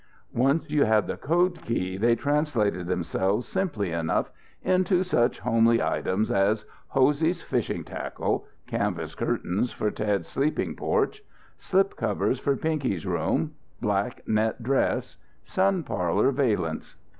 Once you had the code key they translated themselves simply enough into such homely items as Hosey's fishing tackle, canvas curtains for Ted's sleeping porch, slip covers for Pinky's room, black net dress, sun parlour valence.